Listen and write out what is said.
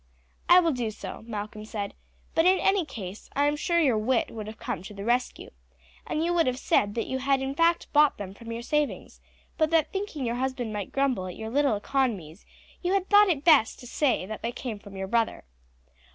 "I will do so," Malcolm said; "but in any case I am sure your wit would have come to the rescue, and you would have said that you had in fact bought them from your savings; but that thinking your husband might grumble at your little economies you had thought it best to say that they came from your brother."